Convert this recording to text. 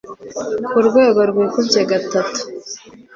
ku rwego rwikubye gatatu